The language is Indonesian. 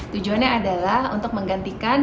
tujuannya adalah untuk menggantikan